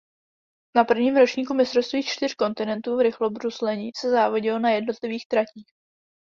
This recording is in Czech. Na prvním ročníku mistrovství čtyř kontinentů v rychlobruslení se závodilo na jednotlivých tratích.